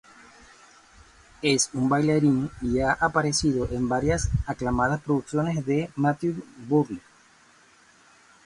Es un bailarín y ha aparecido en varias aclamadas producciones de Matthew Bourne.